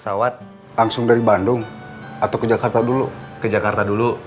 saya nggak berani naik pesawat